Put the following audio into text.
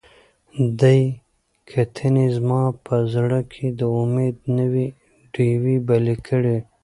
دې کتنې زما په زړه کې د امید نوې ډیوې بلې کړې.